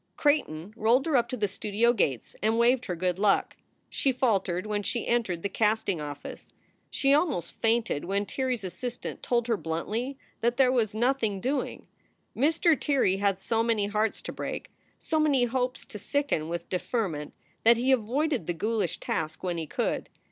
Creighton rolled her up to the studio gates and waved her good luck. She faltered when she entered the casting office. She almost fainted when Tirrey s assistant told her bluntly that there was "nothing doing." Mr. Tirrey had so many hearts to break, so many hopes to sicken with deferment, that he avoided the ghoulish task when he could.